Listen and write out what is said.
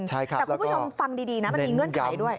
แต่คุณผู้ชมฟังดีนะมันมีเงื่อนไขด้วย